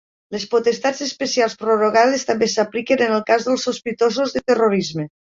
Les potestats especials prorrogades també s'apliquen en el cas dels sospitosos de terrorisme.